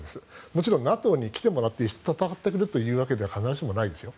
もちろんＮＡＴＯに来てもらって戦ってくれというわけじゃないですよ。